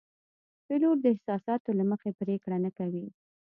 پیلوټ د احساساتو له مخې پرېکړه نه کوي.